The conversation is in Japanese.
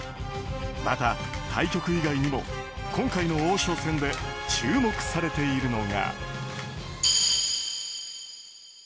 また、対局以外にも今回の王将戦で注目されているのが。